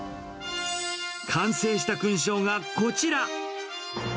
完成した勲章がこちら。